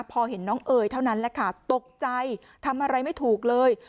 พอเห็นน้องเอ๋ยเท่านั้นแหละค่ะตกใจทำอะไรไม่ถูกเลย